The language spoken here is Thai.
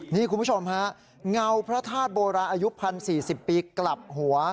นี่คุณผู้ชมฮะเงาพระธาตุโบราณอายุ๑๐๔๐ปีกลับหัว